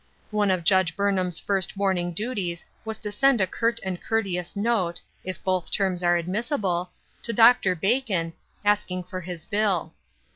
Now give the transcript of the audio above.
One of Judge Burnham's first morning duties was to send a curt and courteous note — if both terms are admissible — to Dr. Bacon, asking for his bill.